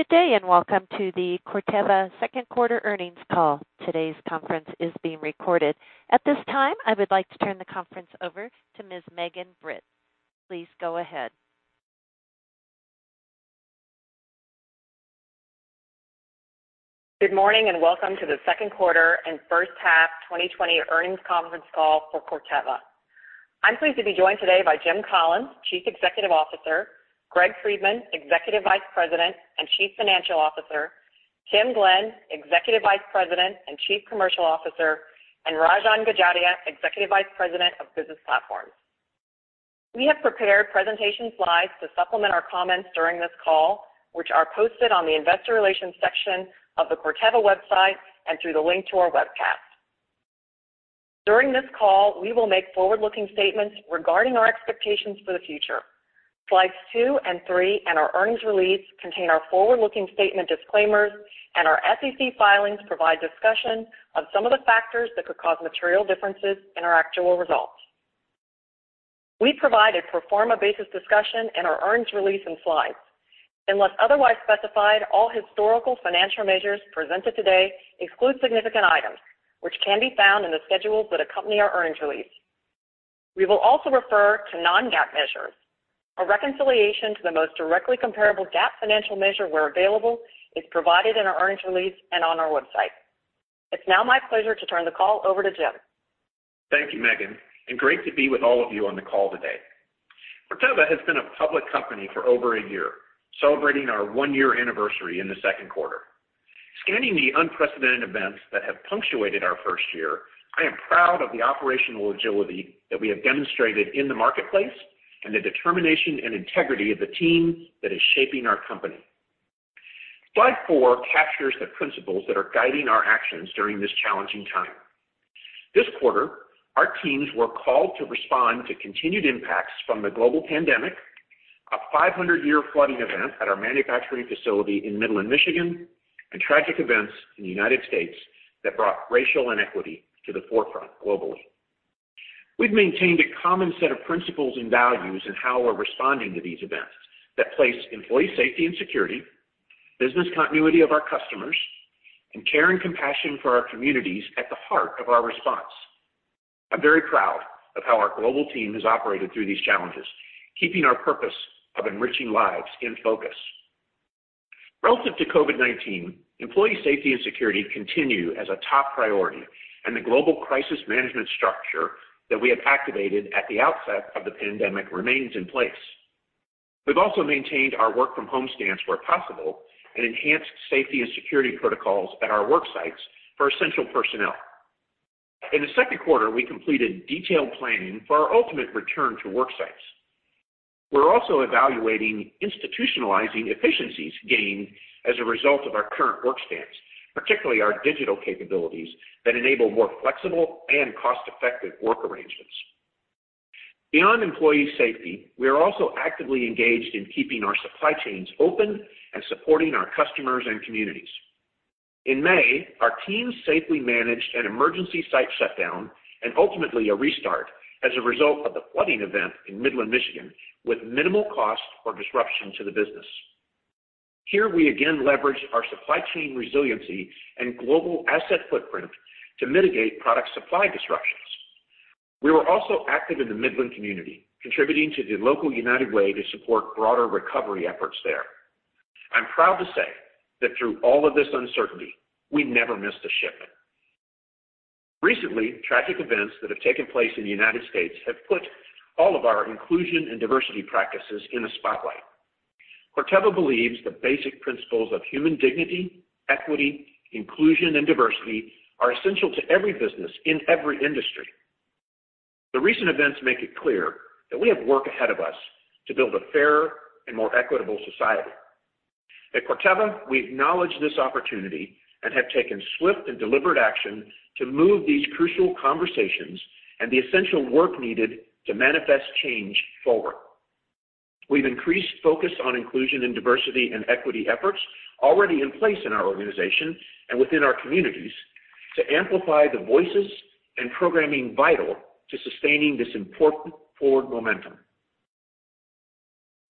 Good day. Welcome to the Corteva second quarter earnings call. Today's conference is being recorded. At this time, I would like to turn the conference over to Ms. Megan Britt. Please go ahead. Good morning, and welcome to the second quarter and first half 2020 earnings conference call for Corteva. I'm pleased to be joined today by Jim Collins, Chief Executive Officer, Greg Friedman, Executive Vice President and Chief Financial Officer, Tim Glenn, Executive Vice President and Chief Commercial Officer, and Rajan Gajaria, Executive Vice President of Business Platforms. We have prepared presentation slides to supplement our comments during this call, which are posted on the investor relations section of the Corteva website and through the link to our webcast. During this call, we will make forward-looking statements regarding our expectations for the future. Slides two and three and our earnings release contain our forward-looking statement disclaimers, and our SEC filings provide discussion of some of the factors that could cause material differences in our actual results. We provide a pro forma basis discussion in our earnings release and slides. Unless otherwise specified, all historical financial measures presented today exclude significant items, which can be found in the schedules that accompany our earnings release. We will also refer to non-GAAP measures. A reconciliation to the most directly comparable GAAP financial measure where available is provided in our earnings release and on our website. It's now my pleasure to turn the call over to Jim. Thank you, Megan. Great to be with all of you on the call today. Corteva has been a public company for over a year, celebrating our one-year anniversary in the second quarter. Scanning the unprecedented events that have punctuated our first year, I am proud of the operational agility that we have demonstrated in the marketplace and the determination and integrity of the team that is shaping our company. Slide four captures the principles that are guiding our actions during this challenging time. This quarter, our teams were called to respond to continued impacts from the global pandemic, a 500-year flooding event at our manufacturing facility in Midland, Michigan, and tragic events in the United States that brought racial inequity to the forefront globally. We've maintained a common set of principles and values in how we're responding to these events that place employee safety and security, business continuity of our customers, and care and compassion for our communities at the heart of our response. I'm very proud of how our global team has operated through these challenges, keeping our purpose of enriching lives in focus. Relative to COVID-19, employee safety and security continue as a top priority, and the global crisis management structure that we have activated at the outset of the pandemic remains in place. We've also maintained our work from home stance where possible and enhanced safety and security protocols at our work sites for essential personnel. In the second quarter, we completed detailed planning for our ultimate return to work sites. We're also evaluating institutionalizing efficiencies gained as a result of our current work stance, particularly our digital capabilities that enable more flexible and cost-effective work arrangements. Beyond employee safety, we are also actively engaged in keeping our supply chains open and supporting our customers and communities. In May, our teams safely managed an emergency site shutdown and ultimately a restart as a result of the flooding event in Midland, Michigan, with minimal cost or disruption to the business. Here we again leveraged our supply chain resiliency and global asset footprint to mitigate product supply disruptions. We were also active in the Midland community, contributing to the local United Way to support broader recovery efforts there. I'm proud to say that through all of this uncertainty, we never missed a shipment. Recently, tragic events that have taken place in the United States have put all of our inclusion and diversity practices in the spotlight. Corteva believes the basic principles of human dignity, equity, inclusion, and diversity are essential to every business in every industry. The recent events make it clear that we have work ahead of us to build a fairer and more equitable society. At Corteva, we acknowledge this opportunity and have taken swift and deliberate action to move these crucial conversations and the essential work needed to manifest change forward. We've increased focus on inclusion and diversity and equity efforts already in place in our organization and within our communities to amplify the voices and programming vital to sustaining this important forward momentum.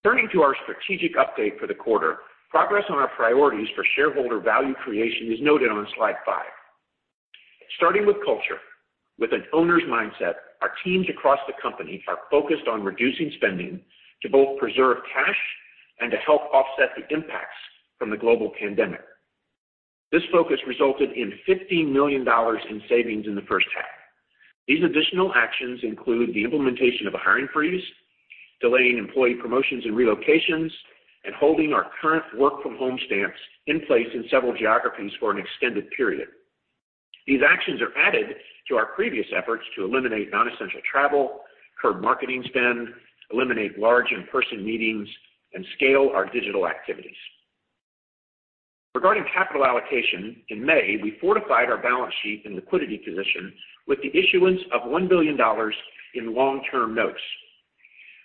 Turning to our strategic update for the quarter, progress on our priorities for shareholder value creation is noted on slide five. Starting with culture, with an owner's mindset, our teams across the company are focused on reducing spending to both preserve cash and to help offset the impacts from the global pandemic. This focus resulted in $15 million in savings in the first half. These additional actions include the implementation of a hiring freeze, delaying employee promotions and relocations, and holding our current work from home stance in place in several geographies for an extended period. These actions are added to our previous efforts to eliminate non-essential travel, curb marketing spend, eliminate large in-person meetings, and scale our digital activities. Regarding capital allocation, in May, we fortified our balance sheet and liquidity position with the issuance of $1 billion in long-term notes.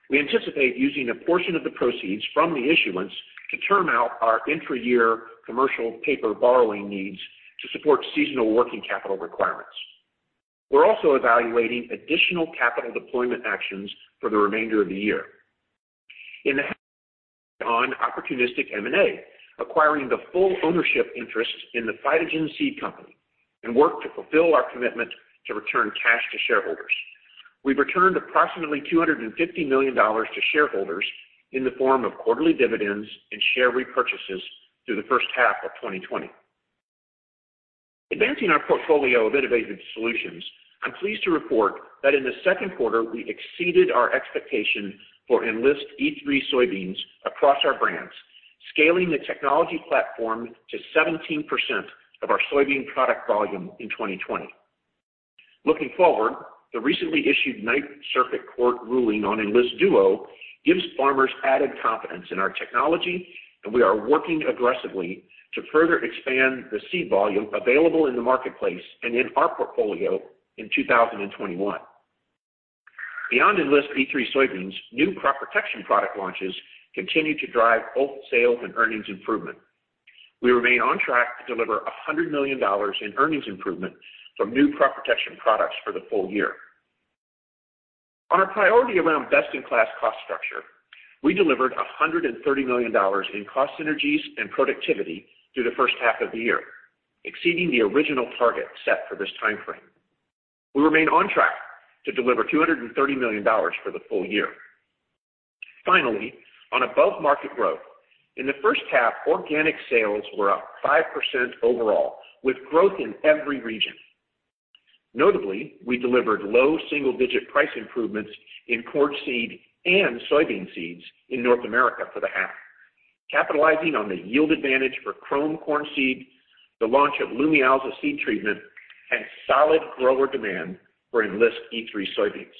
We anticipate using a portion of the proceeds from the issuance to term out our intra-year commercial paper borrowing needs to support seasonal working capital requirements. We're also evaluating additional capital deployment actions for the remainder of the year. In the half on opportunistic M&A, acquiring the full ownership interest in the PhytoGen Seed Company and work to fulfill our commitment to return cash to shareholders. We've returned approximately $250 million to shareholders in the form of quarterly dividends and share repurchases through the first half of 2020. Advancing our portfolio of innovative solutions, I'm pleased to report that in the second quarter, we exceeded our expectation for Enlist E3 soybeans across our brands, scaling the technology platform to 17% of our soybean product volume in 2020. Looking forward, the recently issued Ninth Circuit Court ruling on Enlist Duo gives farmers added confidence in our technology, and we are working aggressively to further expand the seed volume available in the marketplace and in our portfolio in 2021. Beyond Enlist E3 soybeans, new crop protection product launches continue to drive both sales and earnings improvement. We remain on track to deliver $100 million in earnings improvement from new crop protection products for the full year. On our priority around best-in-class cost structure, we delivered $130 million in cost synergies and productivity through the first half of the year, exceeding the original target set for this timeframe. We remain on track to deliver $230 million for the full year. Finally, on above-market growth. In the first half, organic sales were up 5% overall, with growth in every region. Notably, we delivered low single-digit price improvements in corn seed and soybean seeds in North America for the half, capitalizing on the yield advantage for Qrome corn seed, the launch of Lumialza seed treatment, and solid grower demand for Enlist E3 soybeans.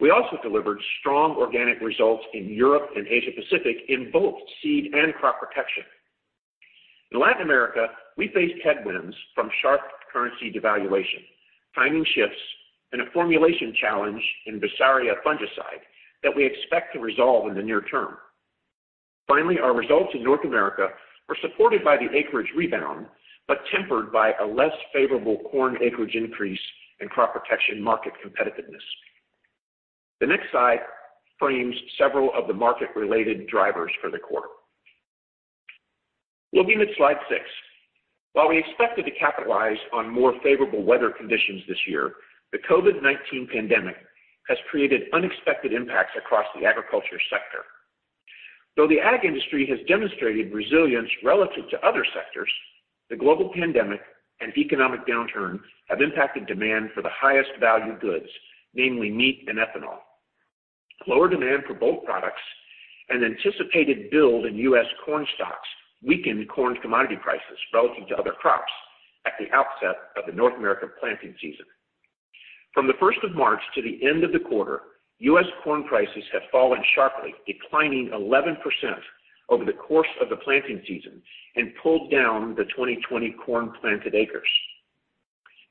We also delivered strong organic results in Europe and Asia Pacific in both seed and crop protection. In Latin America, we faced headwinds from sharp currency devaluation, timing shifts, and a formulation challenge in Vessarya fungicide that we expect to resolve in the near term. Our results in North America were supported by the acreage rebound, but tempered by a less favorable corn acreage increase and crop protection market competitiveness. The next slide frames several of the market-related drivers for the quarter. Moving to slide six. While we expected to capitalize on more favorable weather conditions this year, the COVID-19 pandemic has created unexpected impacts across the agriculture sector. Though the ag industry has demonstrated resilience relative to other sectors, the global pandemic and economic downturn have impacted demand for the highest value goods, namely meat and ethanol. Lower demand for both products and anticipated build in U.S. corn stocks weakened corn commodity prices relative to other crops at the outset of the North American planting season. From the 1st of March to the end of the quarter, U.S. corn prices have fallen sharply, declining 11% over the course of the planting season and pulled down the 2020 corn planted acres.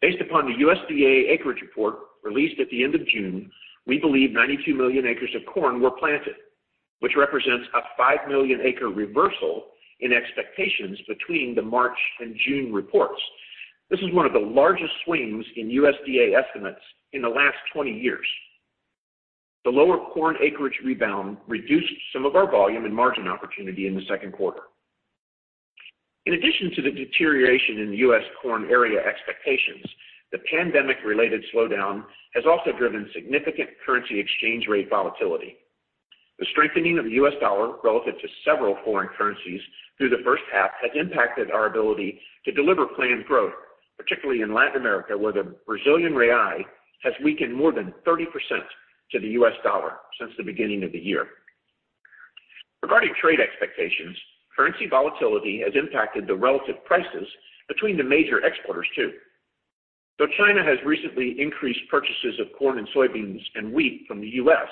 Based upon the USDA acreage report released at the end of June, we believe 92 million acres of corn were planted, which represents a 5 million acre reversal in expectations between the March and June reports. This is one of the largest swings in USDA estimates in the last 20 years. The lower corn acreage rebound reduced some of our volume and margin opportunity in the second quarter. In addition to the deterioration in the U.S. corn area expectations, the pandemic-related slowdown has also driven significant currency exchange rate volatility. The strengthening of the U.S. dollar relative to several foreign currencies through the first half has impacted our ability to deliver planned growth, particularly in Latin America, where the Brazilian real has weakened more than 30% to the U.S. dollar since the beginning of the year. Regarding trade expectations, currency volatility has impacted the relative prices between the major exporters, too. Though China has recently increased purchases of corn and soybeans and wheat from the U.S.,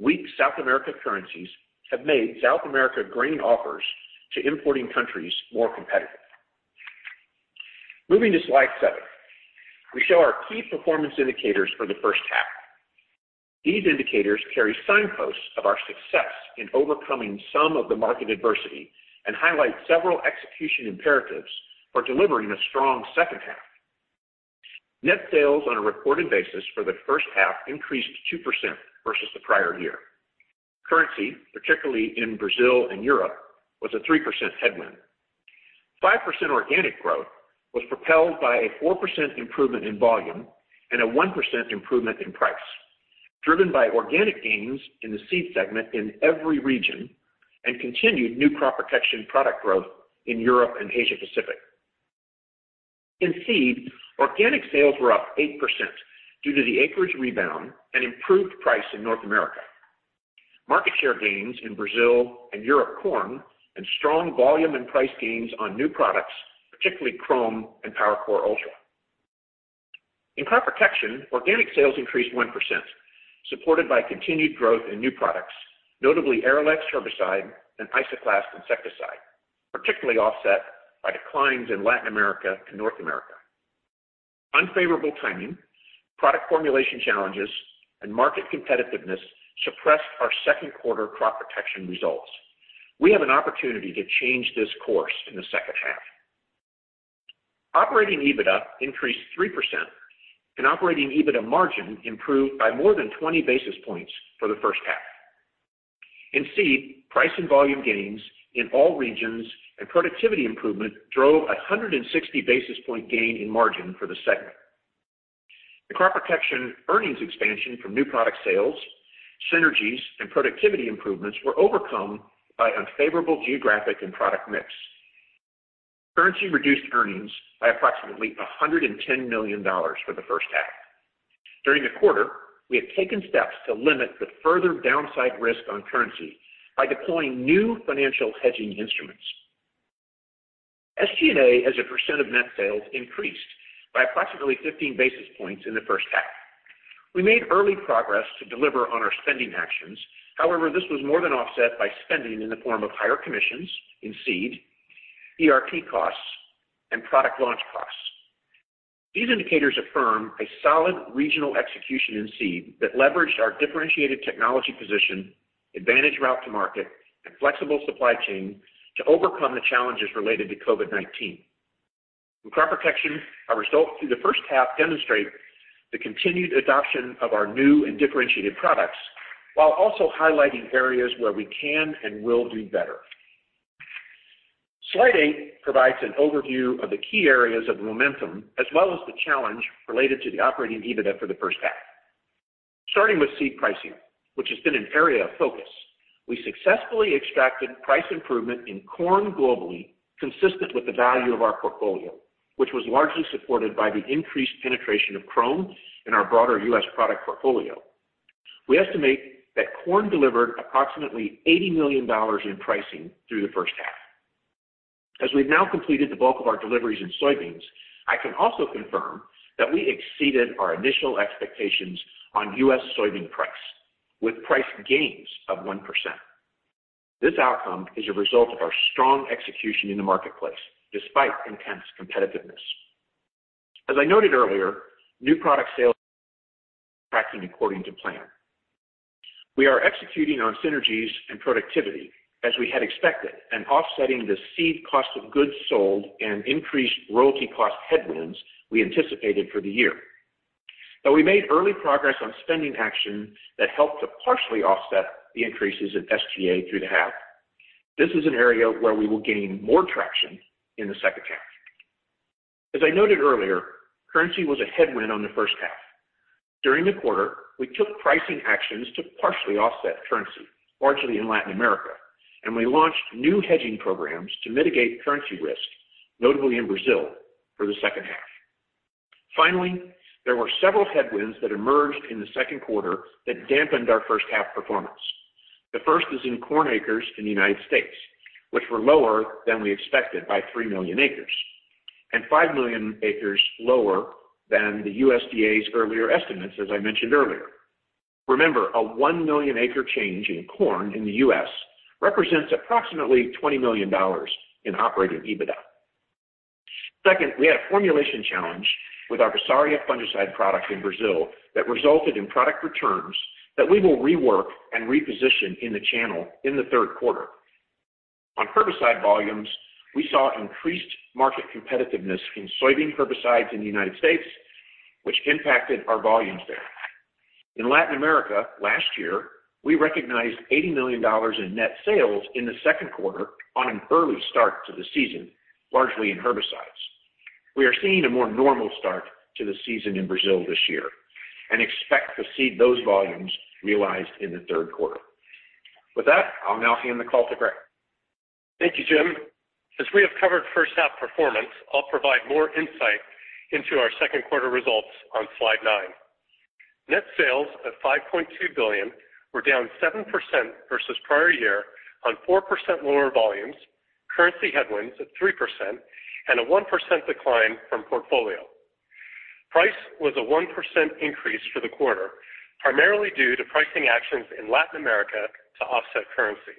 weak South American currencies have made South America grain offers to importing countries more competitive. Moving to slide seven. We show our key performance indicators for the first half. These indicators carry signposts of our success in overcoming some of the market adversity and highlight several execution imperatives for delivering a strong second half. Net sales on a reported basis for the first half increased 2% versus the prior year. Currency, particularly in Brazil and Europe, was a 3% headwind. 5% organic growth was propelled by a 4% improvement in volume and a 1% improvement in price, driven by organic gains in the seed segment in every region and continued new crop protection product growth in Europe and Asia Pacific. In seed, organic sales were up 8% due to the acreage rebound and improved price in North America. Market share gains in Brazil and Europe corn, and strong volume and price gains on new products, particularly Qrome and PowerCore Ultra. In crop protection, organic sales increased 1%, supported by continued growth in new products, notably Arylex herbicide and Isoclast insecticide, particularly offset by declines in Latin America and North America. Unfavorable timing, product formulation challenges and market competitiveness suppressed our second quarter crop protection results. We have an opportunity to change this course in the second half. Operating EBITDA increased 3% and operating EBITDA margin improved by more than 20 basis points for the first half. In seed, price and volume gains in all regions and productivity improvement drove 160 basis point gain in margin for the segment. The crop protection earnings expansion from new product sales, synergies, and productivity improvements were overcome by unfavorable geographic and product mix. Currency reduced earnings by approximately $110 million for the first half. During the quarter, we have taken steps to limit the further downside risk on currency by deploying new financial hedging instruments. SG&A as a percent of net sales increased by approximately 15 basis points in the first half. We made early progress to deliver on our spending actions. This was more than offset by spending in the form of higher commissions in seed, ERP costs, and product launch costs. These indicators affirm a solid regional execution in seed that leveraged our differentiated technology position, advantage route to market, and flexible supply chain to overcome the challenges related to COVID-19. In crop protection, our results through the first half demonstrate the continued adoption of our new and differentiated products while also highlighting areas where we can and will do better. Slide eight provides an overview of the key areas of momentum as well as the challenge related to the Operating EBITDA for the first half. Starting with seed pricing, which has been an area of focus, we successfully extracted price improvement in corn globally consistent with the value of our portfolio, which was largely supported by the increased penetration of Qrome in our broader U.S. product portfolio. We estimate that corn delivered approximately $80 million in pricing through the first half. As we've now completed the bulk of our deliveries in soybeans, I can also confirm that we exceeded our initial expectations on U.S. soybean price with price gains of 1%. This outcome is a result of our strong execution in the marketplace despite intense competitiveness. As I noted earlier, new product sales are tracking according to plan. We are executing on synergies and productivity as we had expected and offsetting the seed cost of goods sold and increased royalty cost headwinds we anticipated for the year. Though we made early progress on spending actions that helped to partially offset the increases in SG&A through the half. This is an area where we will gain more traction in the second half. As I noted earlier, currency was a headwind on the first half. During the quarter, we took pricing actions to partially offset currency, largely in Latin America, and we launched new hedging programs to mitigate currency risk, notably in Brazil for the second half. Finally, there were several headwinds that emerged in the second quarter that dampened our first half performance. The first is in corn acres in the U.S., which were lower than we expected by 3 million acres and 5 million acres lower than the USDA's earlier estimates, as I mentioned earlier. Remember, a 1 million acre change in corn in the U.S. represents approximately $20 million in Operating EBITDA. Second, we had a formulation challenge with our Vessarya fungicide product in Brazil that resulted in product returns that we will rework and reposition in the channel in the third quarter. On herbicide volumes, we saw increased market competitiveness in soybean herbicides in the U.S., which impacted our volumes there. In Latin America last year, we recognized $80 million in net sales in the second quarter on an early start to the season, largely in herbicides. We are seeing a more normal start to the season in Brazil this year and expect to see those volumes realized in the third quarter. With that, I'll now hand the call to Greg. Thank you, Jim. As we have covered first half performance, I'll provide more insight into our second quarter results on slide nine. Net sales of $5.2 billion were down 7% versus prior year on 4% lower volumes, currency headwinds at 3%, and a 1% decline from portfolio. Price was a 1% increase for the quarter, primarily due to pricing actions in Latin America to offset currency.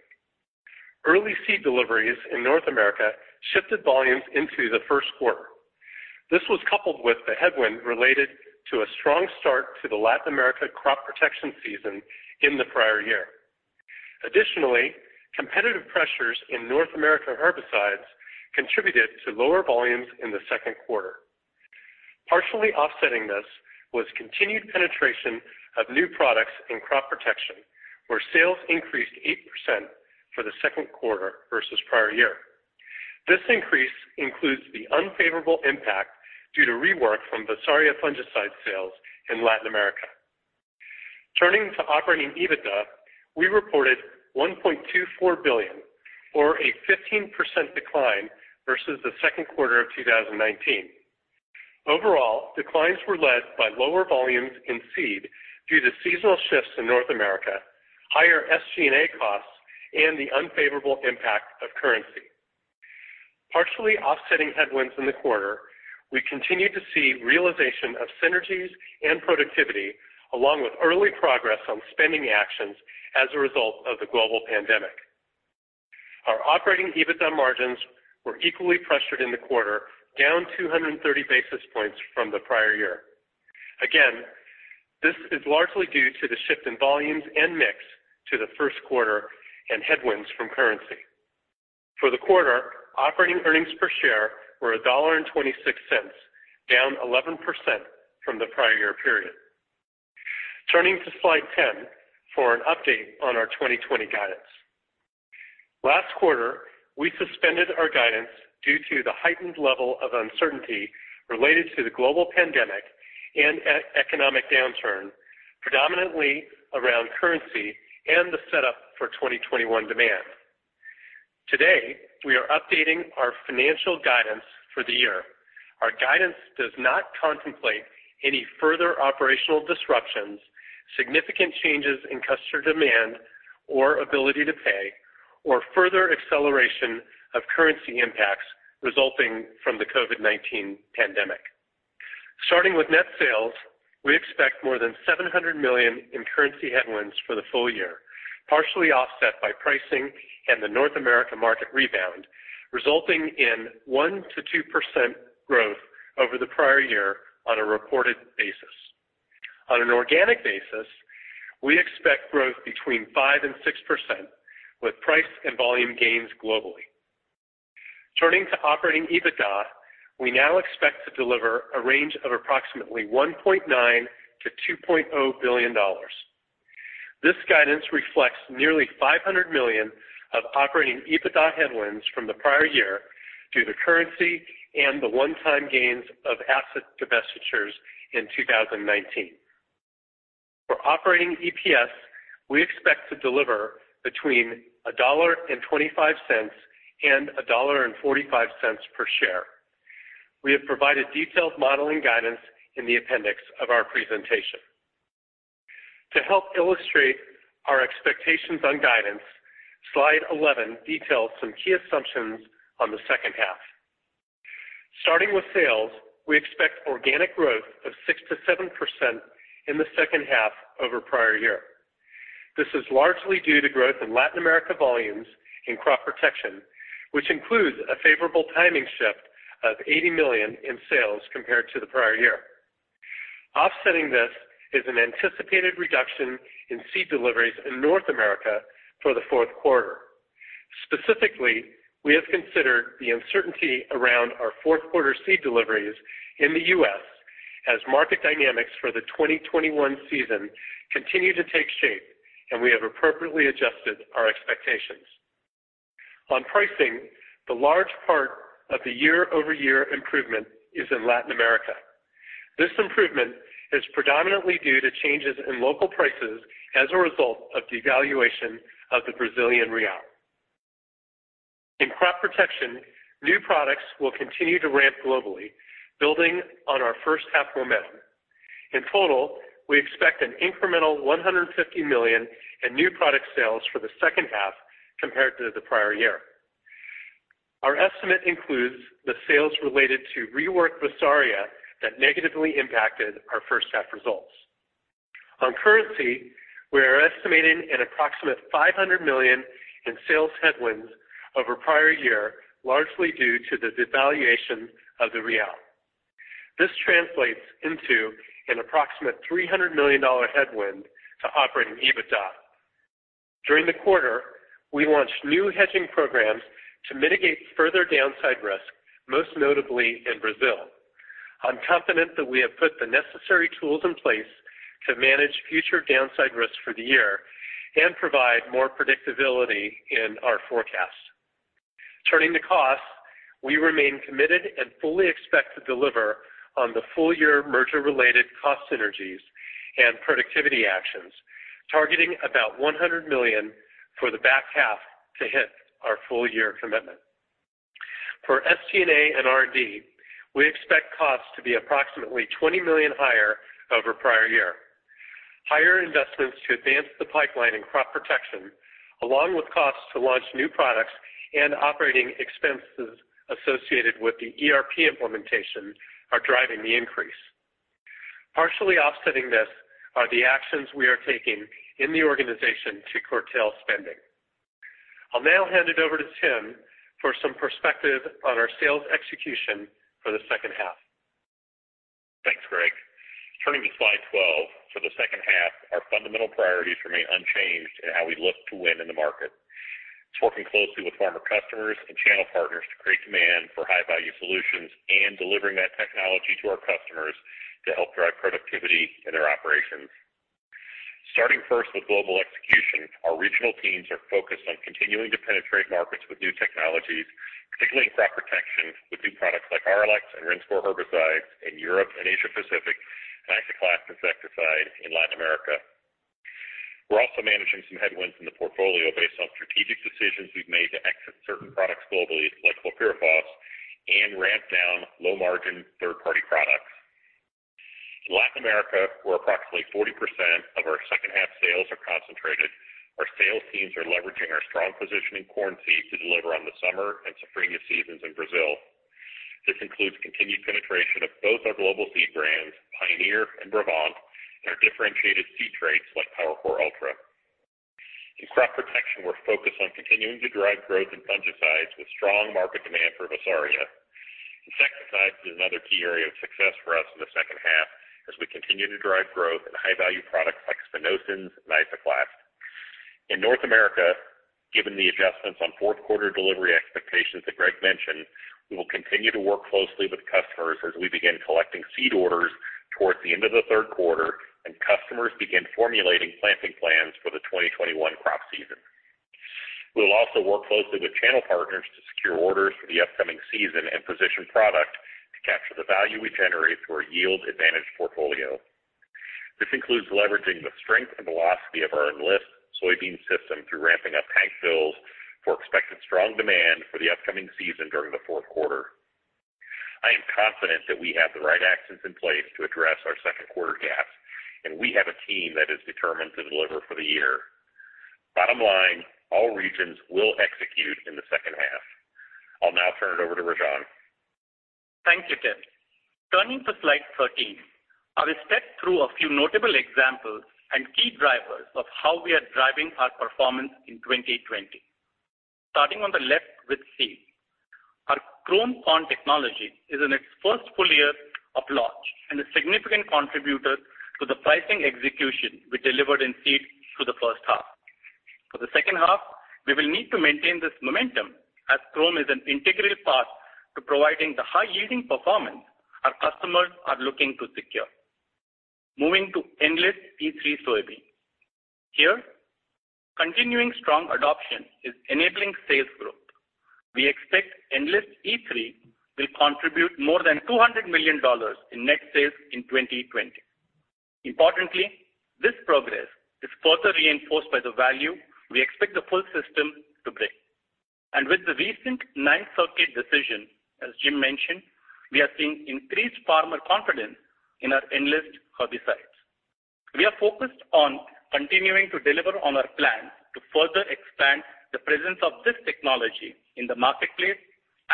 Early seed deliveries in North America shifted volumes into the first quarter. This was coupled with the headwind related to a strong start to the Latin America crop protection season in the prior year. Additionally, competitive pressures in North America herbicides contributed to lower volumes in the second quarter. Partially offsetting this was continued penetration of new products in crop protection, where sales increased 8% for the second quarter versus prior year. This increase includes the unfavorable impact due to rework from Vessarya fungicide sales in Latin America. Turning to Operating EBITDA, we reported $1.24 billion or a 15% decline versus the second quarter of 2019. Overall, declines were led by lower volumes in seed due to seasonal shifts in North America, higher SG&A costs, and the unfavorable impact of currency. Partially offsetting headwinds in the quarter, we continued to see realization of synergies and productivity along with early progress on spending actions as a result of the global pandemic. Our Operating EBITDA margins were equally pressured in the quarter, down 230 basis points from the prior year. Again, this is largely due to the shift in volumes and mix to the first quarter and headwinds from currency. For the quarter, operating earnings per share were $1.26, down 11% from the prior year period. Turning to slide 10 for an update on our 2020 guidance. Last quarter, we suspended our guidance due to the heightened level of uncertainty related to the global pandemic and economic downturn, predominantly around currency and the setup for 2021 demand. Today, we are updating our financial guidance for the year. Our guidance does not contemplate any further operational disruptions, significant changes in customer demand or ability to pay, or further acceleration of currency impacts resulting from the COVID-19 pandemic. Starting with net sales, we expect more than $700 million in currency headwinds for the full year, partially offset by pricing and the North America market rebound, resulting in 1%-2% growth over the prior year on a reported basis. On an organic basis, we expect growth between 5% and 6% with price and volume gains globally. Turning to Operating EBITDA, we now expect to deliver a range of approximately $1.9 billion-$2.0 billion. This guidance reflects nearly $500 million of Operating EBITDA headwinds from the prior year due to currency and the one-time gains of asset divestitures in 2019. For Operating EPS, we expect to deliver between $1.25 and $1.45 per share. We have provided detailed modeling guidance in the appendix of our presentation. To help illustrate our expectations on guidance, slide 11 details some key assumptions on the second half. Starting with sales, we expect organic growth of 6%-7% in the second half over prior year. This is largely due to growth in Latin America volumes in crop protection, which includes a favorable timing shift of $80 million in sales compared to the prior year. Offsetting this is an anticipated reduction in seed deliveries in North America for the fourth quarter. Specifically, we have considered the uncertainty around our fourth quarter seed deliveries in the U.S. as market dynamics for the 2021 season continue to take shape, and we have appropriately adjusted our expectations. On pricing, the large part of the year-over-year improvement is in Latin America. This improvement is predominantly due to changes in local prices as a result of devaluation of the Brazilian real. In crop protection, new products will continue to ramp globally, building on our first half momentum. In total, we expect an incremental $150 million in new product sales for the second half compared to the prior year. Our estimate includes the sales related to rework Vessarya that negatively impacted our first half results. On currency, we are estimating an approximate $500 million in sales headwinds over prior year, largely due to the devaluation of the real. This translates into an approximate $300 million headwind to operating EBITDA. During the quarter, we launched new hedging programs to mitigate further downside risk, most notably in Brazil. I'm confident that we have put the necessary tools in place to manage future downside risks for the year and provide more predictability in our forecast. Turning to costs, we remain committed and fully expect to deliver on the full-year merger related cost synergies and productivity actions, targeting about $100 million for the back half to hit our full-year commitment. For SG&A and R&D, we expect costs to be approximately $20 million higher over prior year. Higher investments to advance the pipeline in crop protection, along with costs to launch new products and operating expenses associated with the ERP implementation are driving the increase. Partially offsetting this are the actions we are taking in the organization to curtail spending. I'll now hand it over to Tim for some perspective on our sales execution for the second half. Thanks, Greg. Turning to slide 12 for the second half, our fundamental priorities remain unchanged in how we look to win in the market. It's working closely with farmer customers and channel partners to create demand for high-value solutions and delivering that technology to our customers to help drive productivity in their operations. Starting first with global execution, our regional teams are focused on continuing to penetrate markets with new technologies, particularly in crop protection with new products like Arylex and Rinskor herbicides in Europe and Asia Pacific, and Isoclast insecticide in Latin America. We're also managing some headwinds in the portfolio based on strategic decisions we've made to exit certain products globally, like chlorpyrifos, and ramp down low-margin third-party products. In Latin America, where approximately 40% of our second half sales are concentrated, our sales teams are leveraging our strong position in corn seed to deliver on the summer and Safrinha seasons in Brazil. This includes continued penetration of both our global seed brands, Pioneer and Brevant, and our differentiated seed traits like PowerCore Ultra. In crop protection, we're focused on continuing to drive growth in fungicides with strong market demand for Vessarya. Insecticides is another key area of success for us in the second half as we continue to drive growth in high-value products like spinosyns and Isoclast. In North America, given the adjustments on fourth quarter delivery expectations that Greg mentioned, we will continue to work closely with customers as we begin collecting seed orders towards the end of the third quarter and customers begin formulating planting plans for the 2021 crop season. We will also work closely with channel partners to secure orders for the upcoming season and position product to capture the value we generate through our yield advantage portfolio. This includes leveraging the strength and velocity of our Enlist soybean system through ramping up tank fills for expected strong demand for the upcoming season during the fourth quarter. I am confident that we have the right actions in place to address our second quarter gaps, and we have a team that is determined to deliver for the year. Bottom line, all regions will execute in the second half. I'll now turn it over to Rajan. Thank you, Tim. Turning to slide 13. I will step through a few notable examples and key drivers of how we are driving our performance in 2020. Starting on the left with Seed. Our Qrome corn technology is in its first full year of launch and a significant contributor to the pricing execution we delivered in seed through the first half. For the second half, we will need to maintain this momentum as Qrome is an integral part to providing the high-yielding performance our customers are looking to secure. Moving to Enlist E3 soybean. Here, continuing strong adoption is enabling sales growth. We expect Enlist E3 will contribute more than $200 million in net sales in 2020. Importantly, this progress is further reinforced by the value we expect the full system to bring. With the recent Ninth Circuit decision, as Jim mentioned, we are seeing increased farmer confidence in our Enlist herbicides. We are focused on continuing to deliver on our plan to further expand the presence of this technology in the marketplace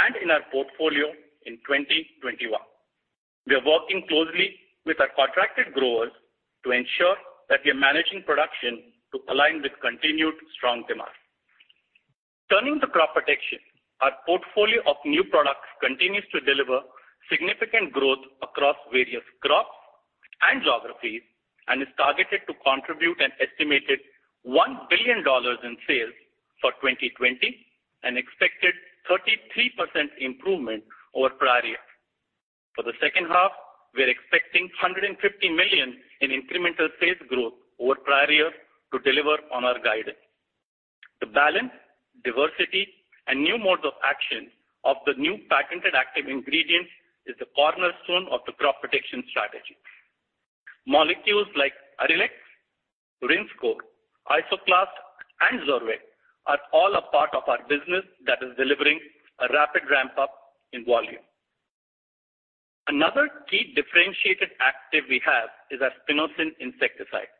and in our portfolio in 2021. We are working closely with our contracted growers to ensure that we are managing production to align with continued strong demand. Turning to Crop Protection. Our portfolio of new products continues to deliver significant growth across various crops and geographies and is targeted to contribute an estimated $1 billion in sales for 2020, an expected 33% improvement over prior years. For the second half, we are expecting $150 million in incremental sales growth over prior years to deliver on our guidance. The balance, diversity, and new modes of action of the new patented active ingredients is the cornerstone of the crop protection strategy. Molecules like Arylex, Rinskor, Isoclast, and Zorvec are all a part of our business that is delivering a rapid ramp-up in volume. Another key differentiated active we have is our spinosyn insecticide,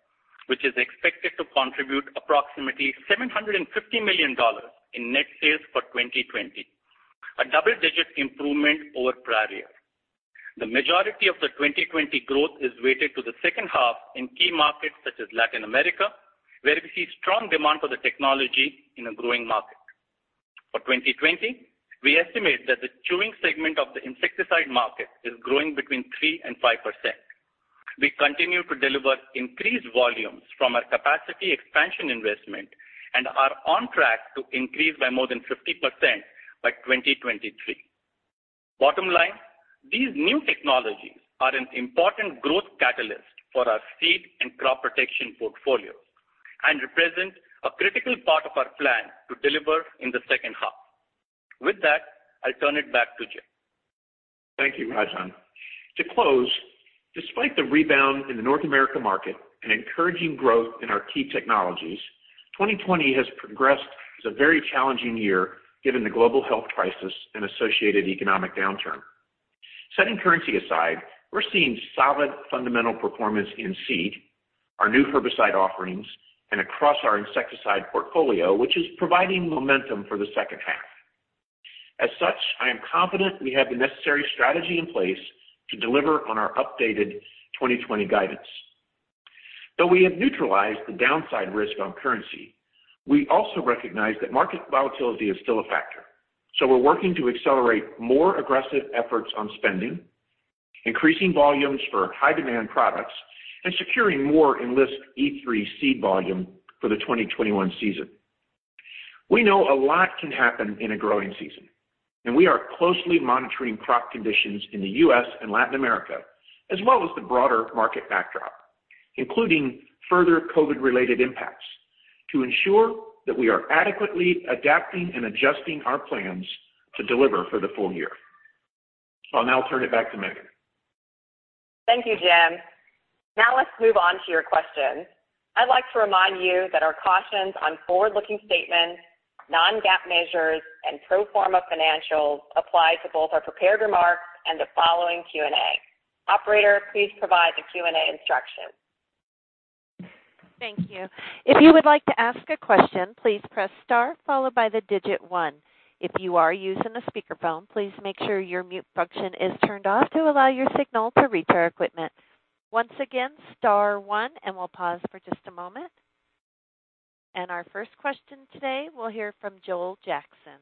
which is expected to contribute approximately $750 million in net sales for 2020, a double-digit improvement over prior year. The majority of the 2020 growth is weighted to the second half in key markets such as Latin America, where we see strong demand for the technology in a growing market. For 2020, we estimate that the chewing segment of the insecticide market is growing between 3% and 5%. We continue to deliver increased volumes from our capacity expansion investment and are on track to increase by more than 50% by 2023. Bottom line, these new technologies are an important growth catalyst for our seed and crop protection portfolios and represent a critical part of our plan to deliver in the second half. With that, I turn it back to Jim. Thank you, Rajan. To close, despite the rebound in the North America market and encouraging growth in our key technologies, 2020 has progressed as a very challenging year given the global health crisis and associated economic downturn. Setting currency aside, we're seeing solid fundamental performance in seed, our new herbicide offerings, and across our insecticide portfolio, which is providing momentum for the second half. As such, I am confident we have the necessary strategy in place to deliver on our updated 2020 guidance. Though we have neutralized the downside risk on currency, we also recognize that market volatility is still a factor. We're working to accelerate more aggressive efforts on spending, increasing volumes for high-demand products, and securing more Enlist E3 seed volume for the 2021 season. We know a lot can happen in a growing season. We are closely monitoring crop conditions in the U.S. and Latin America, as well as the broader market backdrop, including further COVID-19 related impacts, to ensure that we are adequately adapting and adjusting our plans to deliver for the full year. I'll now turn it back to Megan. Thank you, Jim. Now let's move on to your questions. I'd like to remind you that our cautions on forward-looking statements, non-GAAP measures, and pro forma financials apply to both our prepared remarks and the following Q&A. Operator, please provide the Q&A instructions. Thank you. If you would like to ask a question, please press star followed by digit one. If you are using a speakerphone, please make sure your mute function is turned off to allow your signal to reach our equipment. Once again, star one, we'll pause for just a moment. Our first question today, we'll hear from Joel Jackson.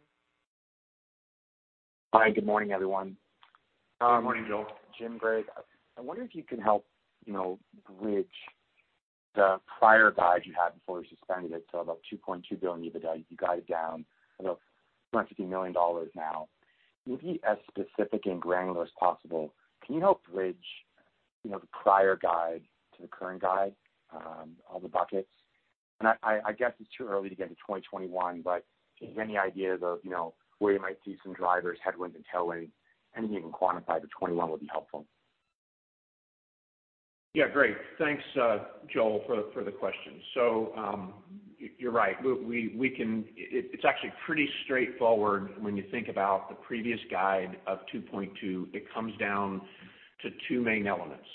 Hi, good morning, everyone. Good morning, Joel. Jim, Greg, I wonder if you can help bridge the prior guide you had before you suspended it to about $2.2 billion EBITDA. You guide it down about $250 million now. Maybe as specific and granular as possible, can you help bridge the prior guide to the current guide, all the buckets? I guess it's too early to get to 2021, but if you have any ideas of where you might see some drivers, headwinds, and tailwinds, anything you can quantify to 2021 would be helpful. Great. Thanks, Joel, for the question. You're right. It's actually pretty straightforward when you think about the previous guide of $2.2 billion. It comes down to two main elements.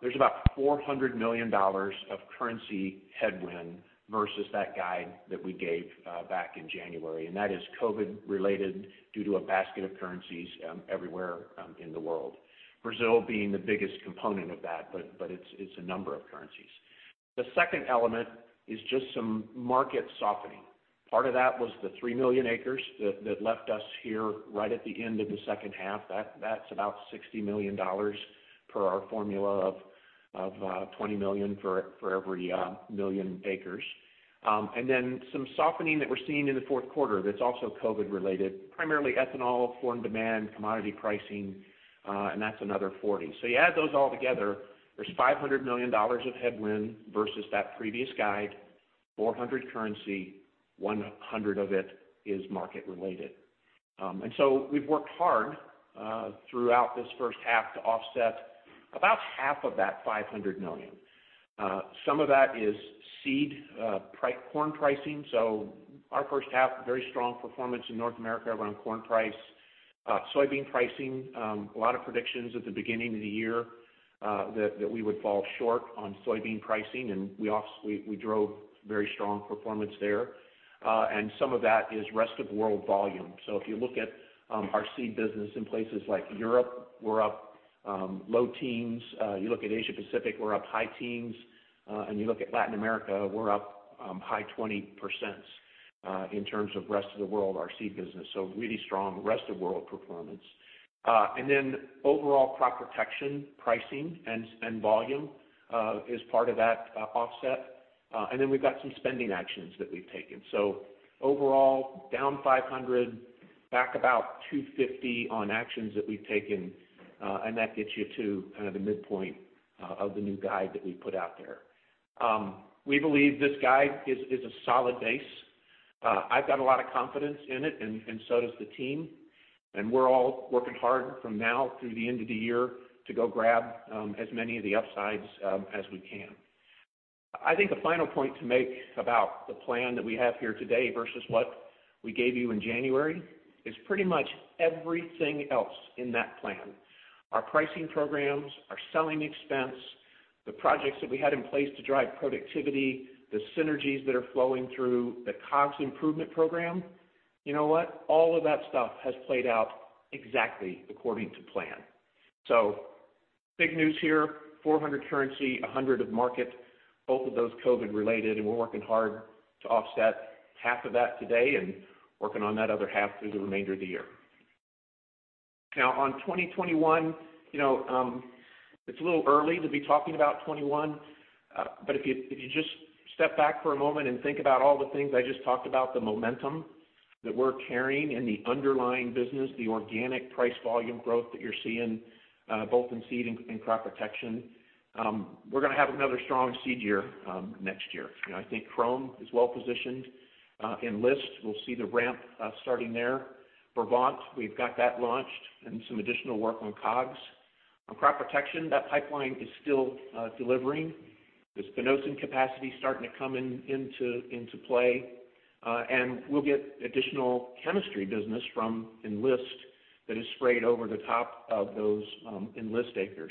There's about $400 million of currency headwind versus that guide that we gave back in January, and that is COVID-19 related due to a basket of currencies everywhere in the world. Brazil being the biggest component of that, but it's a number of currencies. The second element is just some market softening. Part of that was the three million acres that left us here right at the end of the second half. That's about $60 million per our formula of 20 million for every million acres. Then some softening that we're seeing in the fourth quarter that's also COVID-19 related, primarily ethanol, foreign demand, commodity pricing, and that's another $40 million. You add those all together, there's $500 million of headwind versus that previous guide, $400 million currency, $100 million of it is market related. We've worked hard throughout this first half to offset about half of that $500 million. Some of that is seed corn pricing. Our first half, very strong performance in North America around corn price. Soybean pricing, a lot of predictions at the beginning of the year that we would fall short on soybean pricing, and we drove very strong performance there. Some of that is rest of world volume. If you look at our seed business in places like Europe, we're up low teens. You look at Asia Pacific, we're up high teens. You look at Latin America, we're up high 20% in terms of rest of the world, our seed business. Really strong rest of world performance. Overall crop protection pricing and volume is part of that offset. We've got some spending actions that we've taken. Overall, down $500, back about $250 on actions that we've taken, and that gets you to kind of the midpoint of the new guide that we put out there. We believe this guide is a solid base. I've got a lot of confidence in it and so does the team, and we're all working hard from now through the end of the year to go grab as many of the upsides as we can. I think a final point to make about the plan that we have here today versus what we gave you in January is pretty much everything else in that plan. Our pricing programs, our selling expense, the projects that we had in place to drive productivity, the synergies that are flowing through the COGS improvement program. You know what? All of that stuff has played out exactly according to plan. Big news here, $400 currency, $100 of market, both of those COVID-19 related. We're working hard to offset half of that today and working on that other half through the remainder of the year. On 2021, it's a little early to be talking about 2021. If you just step back for a moment and think about all the things I just talked about, the momentum that we're carrying in the underlying business, the organic price volume growth that you're seeing both in seed and crop protection. We're going to have another strong seed year next year. I think Qrome is well positioned. Enlist, we'll see the ramp starting there. Brevant, we've got that launched and some additional work on COGS. On crop protection, that pipeline is still delivering. The spinosyn capacity starting to come into play. We'll get additional chemistry business from Enlist that is sprayed over the top of those Enlist acres.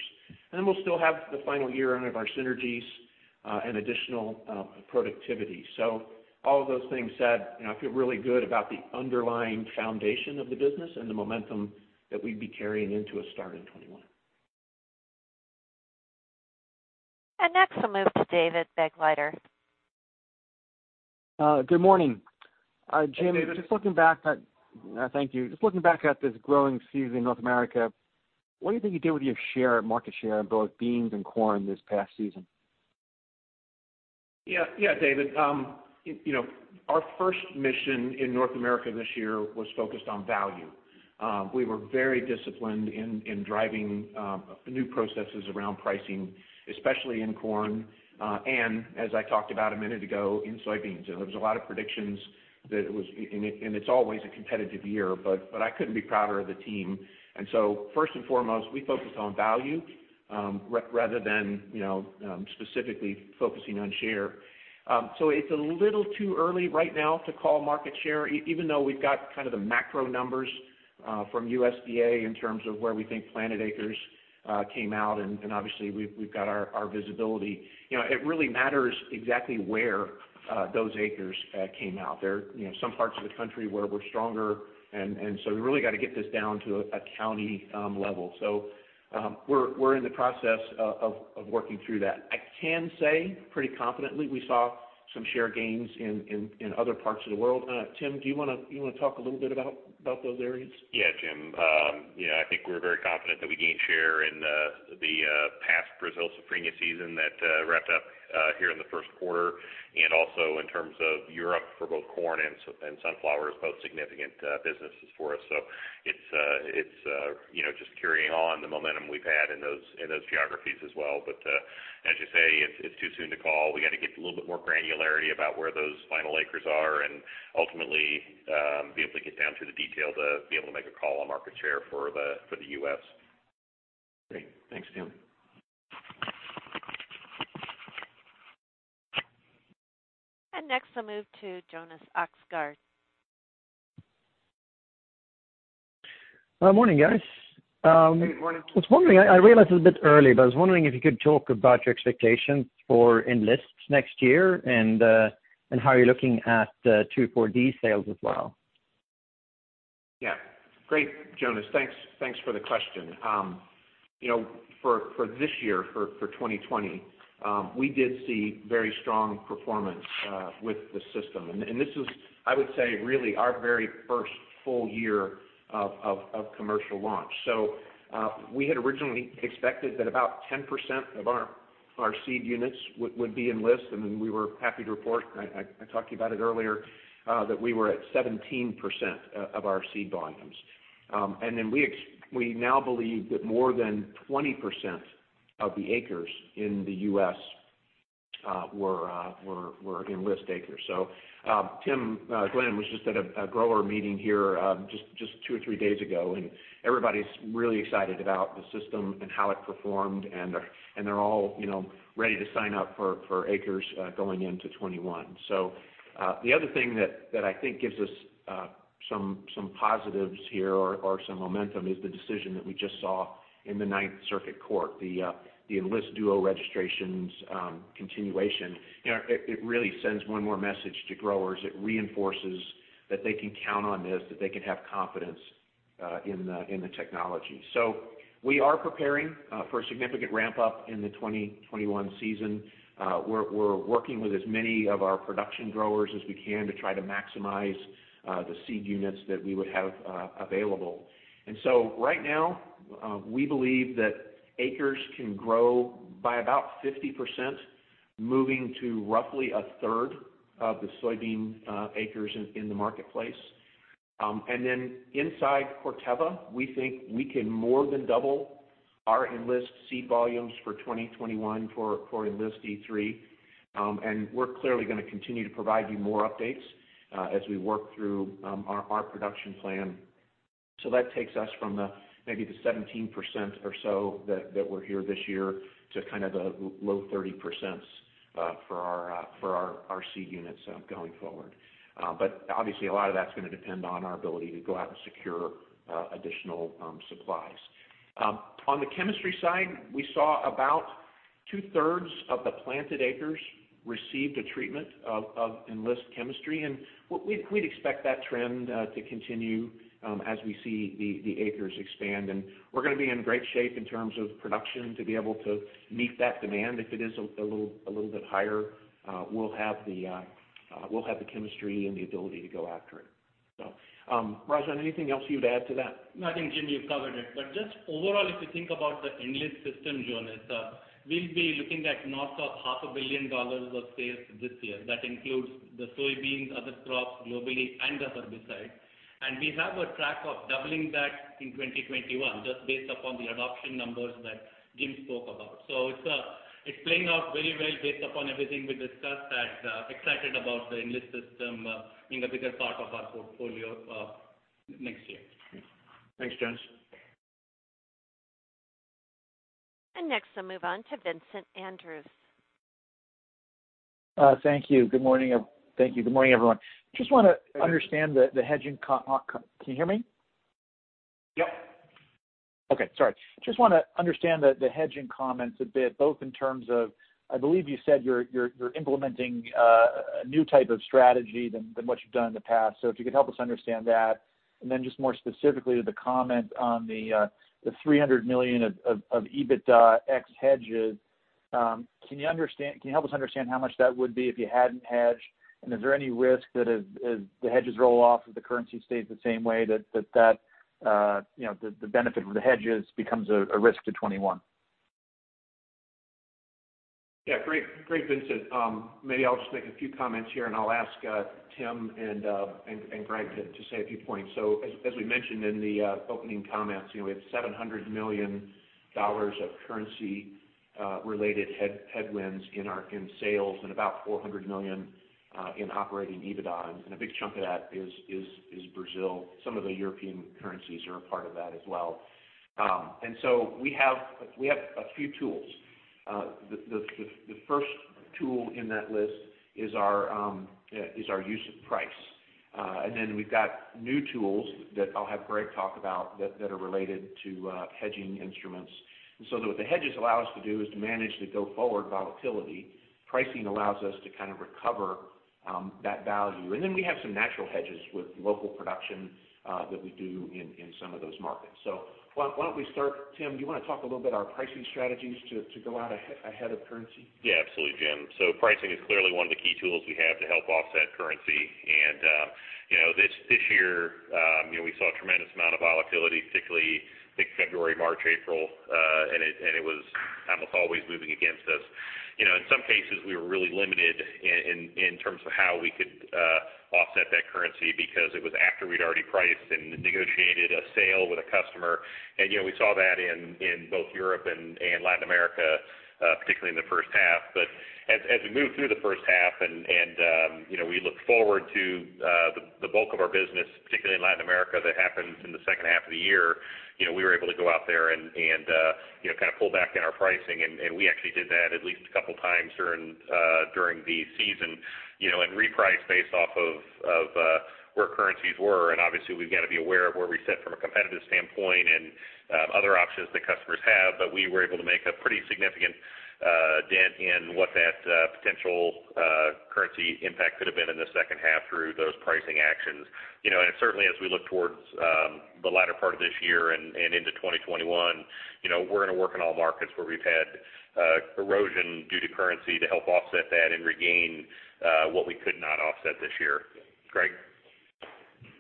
Then we'll still have the final year of our synergies and additional productivity. All of those things said, I feel really good about the underlying foundation of the business and the momentum that we'd be carrying into a start in 2021. Next we'll move to David Begleiter. Good morning. Hey David. Jim, Thank you. Just looking back at this growing season in North America, what do you think you did with your market share in both beans and corn this past season? Yeah, David. Our first mission in North America this year was focused on value. We were very disciplined in driving new processes around pricing, especially in corn. As I talked about a minute ago, in soybeans. There was a lot of predictions that it's always a competitive year, but I couldn't be prouder of the team. First and foremost, we focused on value rather than specifically focusing on share. It's a little too early right now to call market share, even though we've got kind of the macro numbers from USDA in terms of where we think planted acres came out and obviously we've got our visibility. It really matters exactly where those acres came out. There are some parts of the country where we're stronger, we really got to get this down to a county level. We're in the process of working through that. I can say pretty confidently, we saw some share gains in other parts of the world. Tim, do you want to talk a little bit about those areas? Yeah, Jim. I think we're very confident that we gained share in the past Brazil safrinha season that wrapped up here in the first quarter, and also in terms of Europe for both corn and sunflowers, both significant businesses for us. It's just carrying on the momentum we've had in those geographies as well. As you say, it's too soon to call. We got to get a little bit more granularity about where those final acres are and ultimately, be able to get down to the detail to be able to make a call on market share for the U.S. Great. Thanks, Tim. Next I'll move to Jonas Oxgaard. Morning, guys. Morning. I was wondering, I realize it's a bit early, but I was wondering if you could talk about your expectations for Enlist next year and how you're looking at 2,4-D sales as well. Great, Jonas. Thanks for the question. For this year, for 2020, we did see very strong performance with the system. This is, I would say, really our very first full year of commercial launch. We had originally expected that about 10% of our seed units would be Enlist. We were happy to report, I talked to you about it earlier, that we were at 17% of our seed volumes. We now believe that more than 20% of the acres in the U.S. were Enlist acres. Tim Glenn was just at a grower meeting here just two or three days ago, and everybody's really excited about the system and how it performed and they're all ready to sign up for acres going into 2021. The other thing that I think gives us some positives here or some momentum, is the decision that we just saw in the Ninth Circuit Court, the Enlist Duo registrations continuation. It really sends one more message to growers. It reinforces that they can count on this, that they can have confidence in the technology. We are preparing for a significant ramp-up in the 2021 season. We're working with as many of our production growers as we can to try to maximize the seed units that we would have available. Right now, we believe that acres can grow by about 50%, moving to roughly a third of the soybean acres in the marketplace. Then inside Corteva, we think we can more than double our Enlist seed volumes for 2021 for Enlist E3. We're clearly going to continue to provide you more updates as we work through our production plan. That takes us from maybe the 17% or so that were here this year to kind of the low 30% for our seed units going forward. Obviously, a lot of that's going to depend on our ability to go out and secure additional supplies. On the chemistry side, we saw about two-thirds of the planted acres received a treatment of Enlist chemistry, and we'd expect that trend to continue as we see the acres expand. We're going to be in great shape in terms of production to be able to meet that demand. If it is a little bit higher, we'll have the chemistry and the ability to go after it. Rajan, anything else you'd add to that? I think Jim, you've covered it. Just overall, if you think about the Enlist system, Jonas, we'll be looking at north of half a billion dollars of sales this year. That includes the soybeans, other crops globally, and the herbicide. We have a track of doubling that in 2021 just based upon the adoption numbers that Jim spoke about. It's playing out very well based upon everything we discussed and excited about the Enlist system being a bigger part of our portfolio next year. Thanks, Jonas. Next I'll move on to Vincent Andrews. Thank you. Good morning, everyone. Just want to understand the hedging. Can you hear me? Yep. Okay. Sorry. Just want to understand the hedging comments a bit, both in terms of, I believe you said you're implementing a new type of strategy than what you've done in the past. If you could help us understand that, and then just more specifically to the comment on the $300 million of EBITDA ex hedges. Can you help us understand how much that would be if you hadn't hedged? Is there any risk that as the hedges roll off, if the currency stays the same way that the benefit of the hedges becomes a risk to 2021? Yeah. Great, Vincent. Maybe I'll just make a few comments here, and I'll ask Tim and Greg to say a few points. As we mentioned in the opening comments, we have $700 million of currency-related headwinds in sales and about $400 million in Operating EBITDA. A big chunk of that is Brazil. Some of the European currencies are a part of that as well. We have a few tools. The first tool in that list is our use of price. We've got new tools that I'll have Greg talk about that are related to hedging instruments. What the hedges allow us to do is to manage the go-forward volatility. Pricing allows us to recover that value. We have some natural hedges with local production that we do in some of those markets. Why don't we start, Tim, do you want to talk a little bit our pricing strategies to go out ahead of currency? Yeah, absolutely, Jim. Pricing is clearly one of the key tools we have to help offset currency. This year we saw a tremendous amount of volatility, particularly I think February, March, April. It was almost always moving against us. In some cases, we were really limited in terms of how we could offset that currency because it was after we'd already priced and negotiated a sale with a customer. We saw that in both Europe and Latin America, particularly in the first half. As we moved through the first half and we look forward to the bulk of our business, particularly in Latin America, that happens in the second half of the year, we were able to go out there and pull back on our pricing. We actually did that at least a couple of times during the season and repriced based off of where currencies were. Obviously, we've got to be aware of where we sit from a competitive standpoint and other options that customers have. We were able to make a pretty significant dent in what that potential currency impact could have been in the second half through those pricing actions. Certainly as we look towards the latter part of this year and into 2021, we're going to work in all markets where we've had erosion due to currency to help offset that and regain what we could not offset this year. Greg.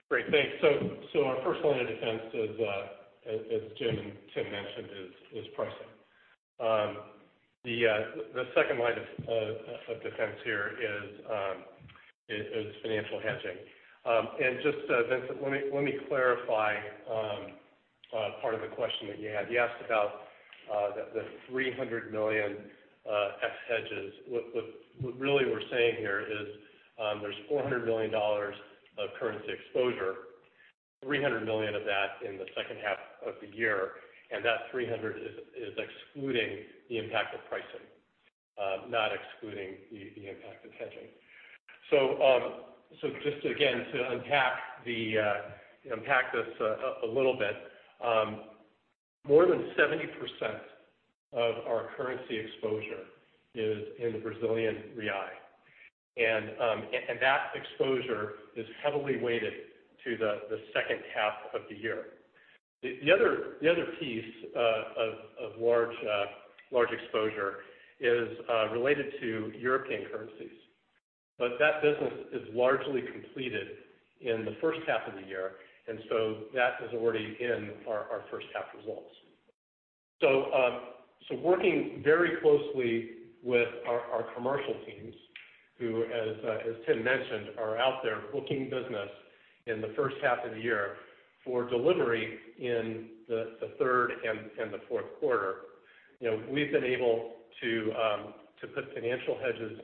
Great. Thanks. Our first line of defense, as Jim and Tim mentioned, is pricing. The second line of defense here is financial hedging. Just, Vincent, let me clarify part of the question that you had. You asked about the $300 million ex hedges. What really we're saying here is there's $400 million of currency exposure, $300 million of that in the second half of the year. That $300 is excluding the impact of pricing, not excluding the impact of hedging. Just again, to unpack this a little bit, more than 70% of our currency exposure is in Brazilian real. That exposure is heavily weighted to the second half of the year. The other piece of large exposure is related to European currencies. That business is largely completed in the first half of the year. That is already in our first half results. Working very closely with our commercial teams who, as Tim mentioned, are out there booking business in the first half of the year for delivery in the third and the fourth quarter. We've been able to put financial hedges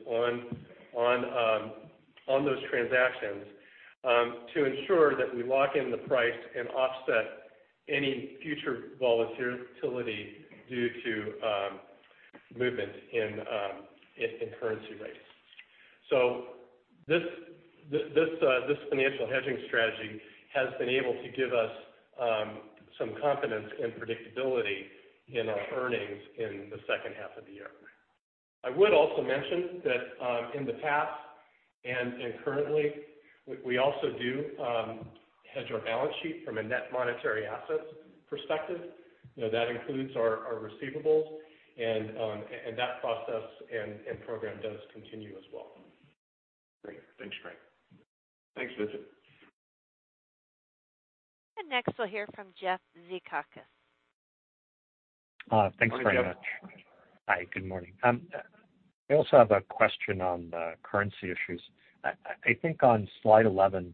on those transactions to ensure that we lock in the price and offset any future volatility due to movement in currency rates. This financial hedging strategy has been able to give us some confidence and predictability in our earnings in the second half of the year. I would also mention that in the past and currently, we also do hedge our balance sheet from a net monetary assets perspective. That includes our receivables and that process and program does continue as well. Great. Thanks, Greg. Thanks, Vincent. Next we'll hear from Jeff Zekauskas. Thanks very much. Morning, Jeff. Hi, good morning. I also have a question on the currency issues. I think on slide 11,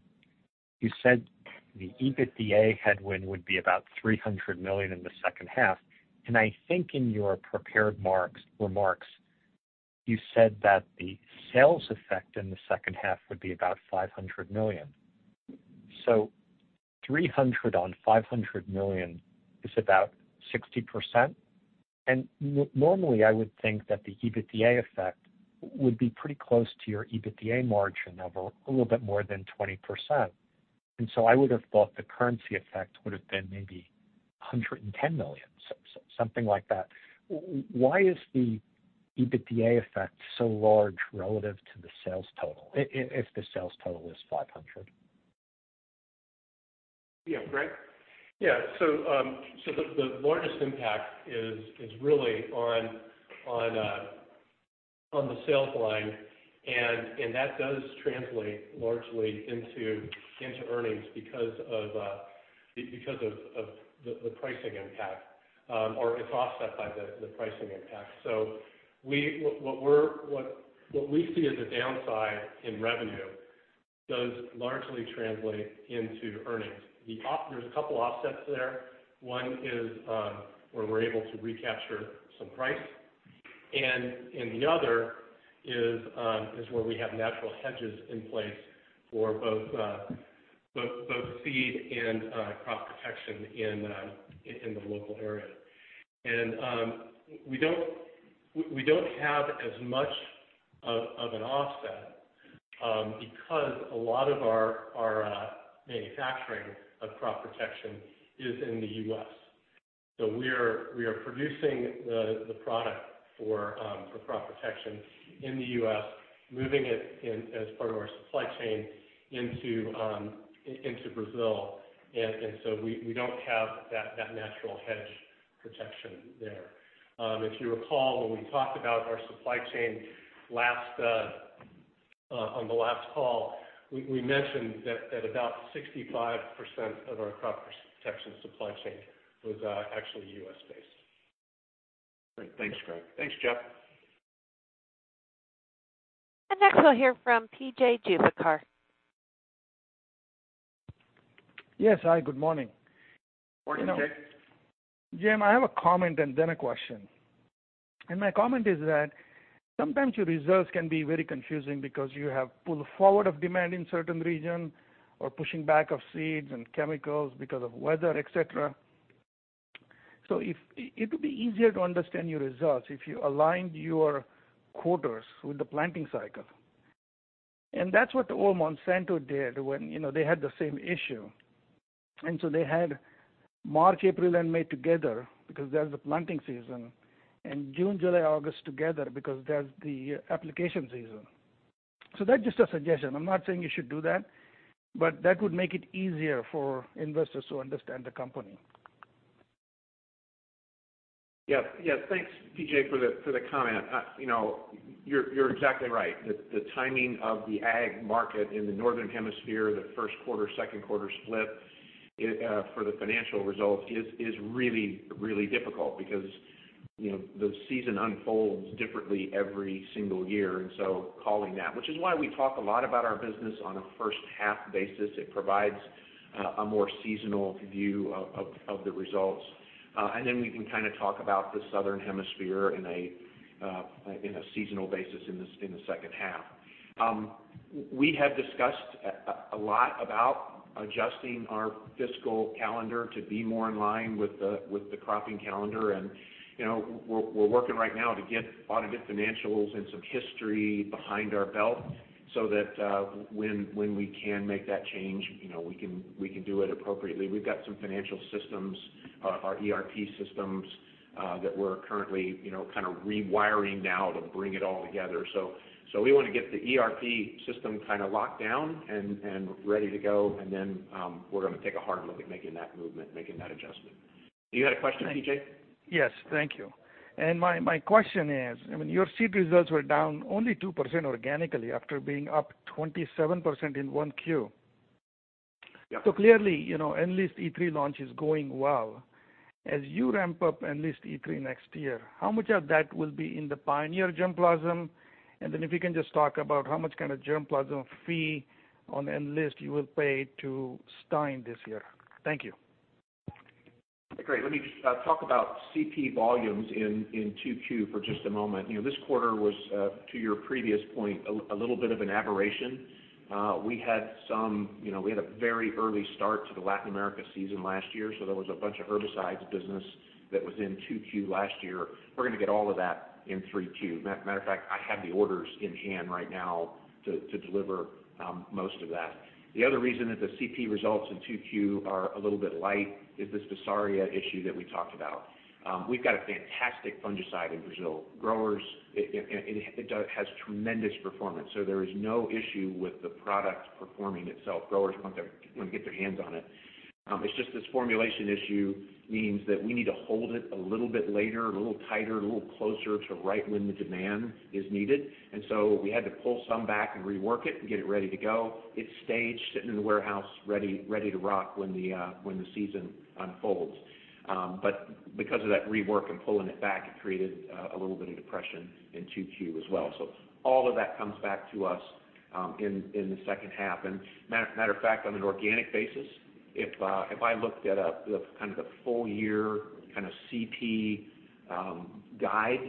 you said the EBITDA headwind would be about $300 million in the second half. I think in your prepared remarks, you said that the sales effect in the second half would be about $500 million. $300 million on $500 million is about 60%. Normally I would think that the EBITDA effect would be pretty close to your EBITDA margin of a little bit more than 20%. I would have thought the currency effect would have been maybe $110 million, something like that. Why is the EBITDA effect so large relative to the sales total if the sales total is $500 million? Yeah. Greg? Yeah. The largest impact is really on the sales line. That does translate largely into earnings because of the pricing impact, or it's offset by the pricing impact. What we see as a downside in revenue does largely translate into earnings. There's a couple offsets there. One is where we're able to recapture some price. The other is where we have natural hedges in place for both seed and crop protection in the local area. We don't have as much of an offset because a lot of our manufacturing of crop protection is in the U.S. We are producing the product for crop protection in the U.S., moving it as part of our supply chain into Brazil. We don't have that natural hedge protection there. If you recall, when we talked about our supply chain on the last call, we mentioned that about 65% of our crop protection supply chain was actually U.S.-based. Great. Thanks, Greg. Thanks, Jeff. Next, we'll hear from P.J. Juvekar. Yes. Hi, good morning. Morning, P.J. Jim, I have a comment and then a question. My comment is that sometimes your results can be very confusing because you have pull forward of demand in certain region or pushing back of seeds and chemicals because of weather, et cetera. It would be easier to understand your results if you aligned your quarters with the planting cycle. That's what old Monsanto did when they had the same issue. They had March, April, and May together because that's the planting season, and June, July, August together because that's the application season. That's just a suggestion. I'm not saying you should do that, but that would make it easier for investors to understand the company. Yeah. Thanks, P.J., for the comment. You're exactly right. The timing of the agricultural market in the Northern Hemisphere, the first quarter, second quarter split for the financial results is really difficult because the season unfolds differently every single year, and so calling that, which is why we talk a lot about our business on a first-half basis. It provides a more seasonal view of the results. We can kind of talk about the Southern Hemisphere in a seasonal basis in the second half. We have discussed a lot about adjusting our fiscal calendar to be more in line with the cropping calendar, and we're working right now to get audited financials and some history behind our belt so that when we can make that change, we can do it appropriately. We've got some financial systems, our ERP systems, that we're currently rewiring now to bring it all together. We want to get the ERP system locked down and ready to go, and then we're going to take a hard look at making that movement, making that adjustment. You had a question, P.J.? Yes. Thank you. My question is, your seed results were down only 2% organically after being up 27% in 1Q. Yep. Clearly, Enlist E3 launch is going well. As you ramp up Enlist E3 next year, how much of that will be in the Pioneer germplasm? If you can just talk about how much kind of germplasm fee on Enlist you will pay to Stine this year. Thank you. Great. Let me talk about CP volumes in Q2 for just a moment. This quarter was, to your previous point, a little bit of an aberration. We had a very early start to the Latin America season last year, so there was a bunch of herbicides business that was in Q2 last year. We're going to get all of that in Q3. Matter of fact, I have the orders in hand right now to deliver most of that. The other reason that the CP results in Q2 are a little bit light is this Vessarya issue that we talked about. We've got a fantastic fungicide in Brazil. It has tremendous performance, so there is no issue with the product performing itself. Growers want to get their hands on it. It's just this formulation issue means that we need to hold it a little bit later, a little tighter, a little closer to right when the demand is needed. We had to pull some back and rework it and get it ready to go. It's staged, sitting in the warehouse, ready to rock when the season unfolds. Because of that rework and pulling it back, it created a little bit of depression in Q2 as well. All of that comes back to us in the second half. Matter of fact, on an organic basis, if I looked at the full-year kind of CP guide,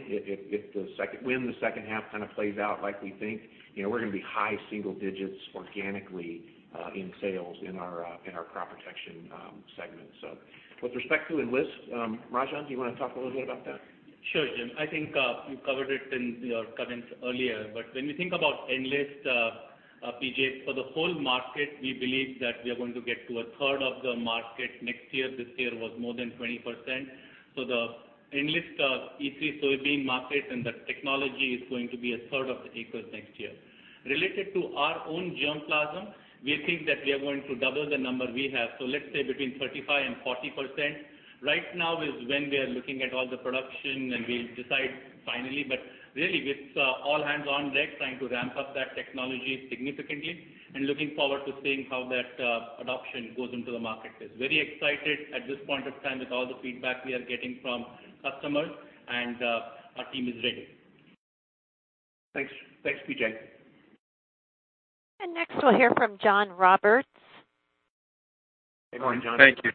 when the second half kind of plays out like we think, we're going to be high single digits organically in sales in our Crop Protection segment. With respect to Enlist, Rajan, do you want to talk a little bit about that? Sure, Jim. I think you covered it in your comments earlier. When we think about Enlist, P.J., for the whole market, we believe that we are going to get to a third of the market next year. This year was more than 20%. The Enlist E3 soybean market and that technology is going to be a third of the acres next year. Related to our own germplasm, we think that we are going to double the number we have. Let's say between 35% and 40%. Right now is when we are looking at all the production, and we'll decide finally, but really with all hands on deck, trying to ramp up that technology significantly and looking forward to seeing how that adoption goes into the market. Very excited at this point of time with all the feedback we are getting from customers, and our team is ready. Thanks, P.J. Next we'll hear from John Roberts. Go on, John. Thank you.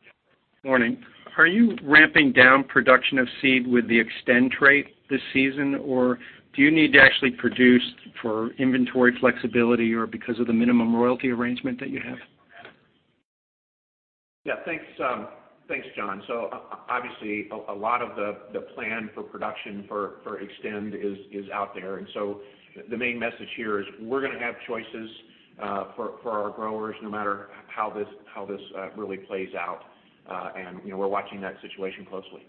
Morning. Are you ramping down production of seed with the Xtend trait this season, or do you need to actually produce for inventory flexibility or because of the minimum royalty arrangement that you have? Yeah. Thanks, John. Obviously, a lot of the plan for production for Xtend is out there. The main message here is we're going to have choices for our growers no matter how this really plays out. We're watching that situation closely.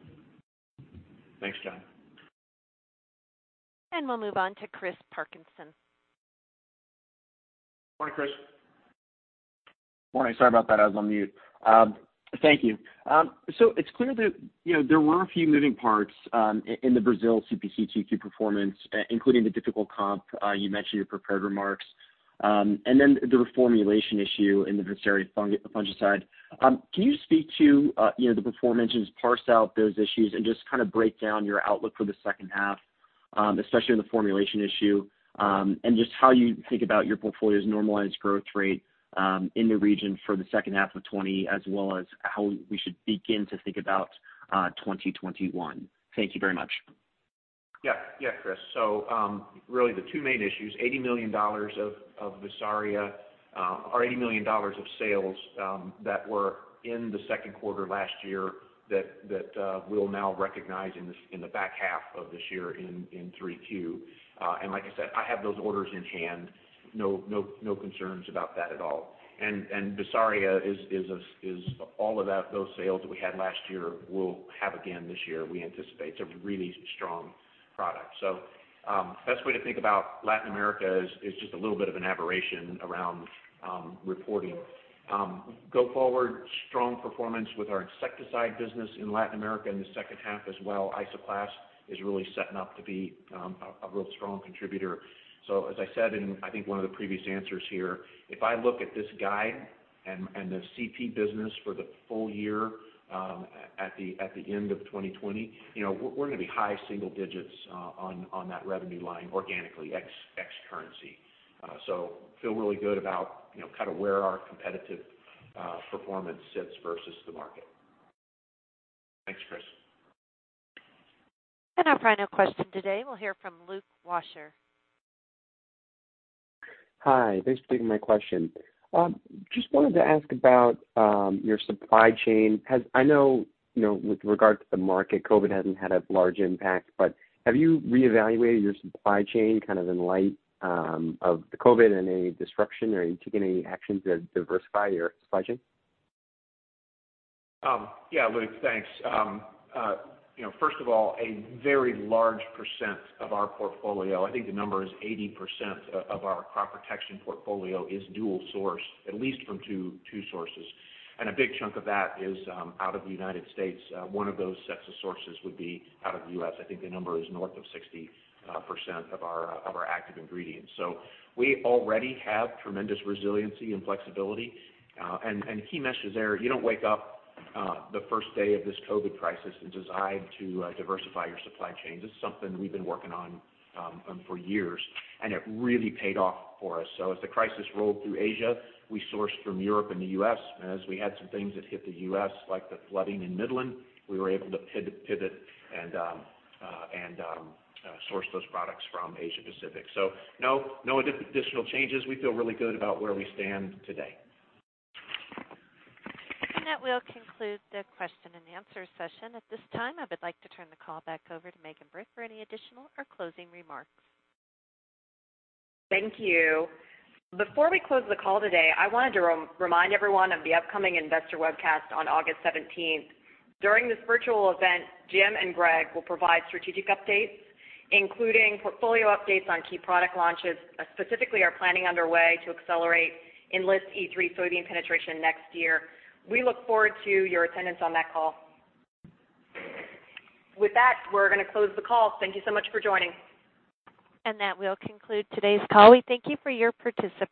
Thanks, John. We'll move on to Chris Parkinson. Morning, Chris. Morning. Sorry about that, I was on mute. Thank you. It's clear that there were a few moving parts in the Brazil CPC Q2 performance, including the difficult comp you mentioned in your prepared remarks. The reformulation issue in the Vessarya fungicide. Can you speak to the performance and just parse out those issues and just kind of break down your outlook for the second half, especially on the formulation issue, and just how you think about your portfolio's normalized growth rate in the region for the second half of 2020, as well as how we should begin to think about 2021. Thank you very much. Chris, really the two main issues, $80 million of Vessarya, or $80 million of sales that were in the second quarter last year that we'll now recognize in the back half of this year in Q3. Like I said, I have those orders in hand. No concerns about that at all. Vessarya is all of those sales that we had last year, we'll have again this year, we anticipate. It's a really strong product. Best way to think about Latin America is just a little bit of an aberration around reporting. Go forward, strong performance with our insecticide business in Latin America in the second half as well. Isoclast is really setting up to be a real strong contributor. As I said in, I think one of the previous answers here, if I look at this guide and the CP business for the full year at the end of 2020, we're going to be high single digits on that revenue line organically, ex currency. Feel really good about where our competitive performance sits versus the market. Thanks, Chris. Our final question today, we'll hear from Luke Washer. Hi. Thanks for taking my question. Just wanted to ask about your supply chain. I know with regard to the market, COVID-19 hasn't had a large impact, but have you reevaluated your supply chain kind of in light of the COVID-19 and any disruption, or are you taking any actions to diversify your supply chain? Yeah, Luke, thanks. First of all, a very large percent of our portfolio, I think the number is 80% of our crop protection portfolio is dual source, at least from two sources. A big chunk of that is out of the U.S. One of those sets of sources would be out of the U.S. I think the number is north of 60% of our active ingredients. We already have tremendous resiliency and flexibility. Key message there, you don't wake up the first day of this COVID-19 crisis and decide to diversify your supply chain. This is something we've been working on for years, and it really paid off for us. As the crisis rolled through Asia, we sourced from Europe and the U.S. As we had some things that hit the U.S., like the flooding in Midland, we were able to pivot and source those products from Asia Pacific. No additional changes. We feel really good about where we stand today. That will conclude the question-and-answer session. At this time, I would like to turn the call back over to Megan Britt for any additional or closing remarks. Thank you. Before we close the call today, I wanted to remind everyone of the upcoming investor webcast on August 17th. During this virtual event, Jim and Greg will provide strategic updates, including portfolio updates on key product launches, specifically our planning underway to accelerate Enlist E3 soybean penetration next year. We look forward to your attendance on that call. With that, we're going to close the call. Thank you so much for joining. That will conclude today's call. We thank you for your participation.